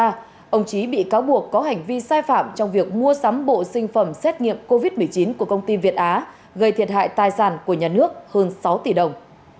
trong đó ông trí bị cáo buộc có hành vi sai phạm trong việc mua sắm bộ sinh phẩm xét nghiệm covid một mươi chín của công ty việt á gây thiệt hại tài sản của nhà nước hơn sáu tỷ đồng